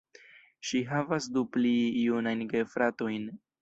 Ŝi havas du pli junajn gefratojn.